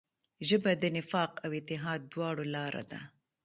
ژبه د نفاق او اتحاد دواړو لاره ده